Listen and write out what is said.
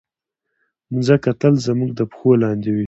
مځکه تل زموږ د پښو لاندې وي.